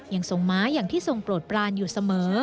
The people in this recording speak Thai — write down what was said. ยังทรงม้าอย่างที่ทรงโปรดปรานอยู่เสมอ